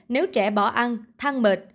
nếu trẻ bỏ ăn thăng mệt